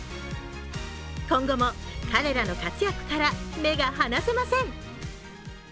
今後も彼らの活躍から目が離せません。